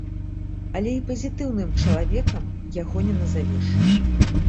Але і пазітыўным чалавекам яго не назавеш.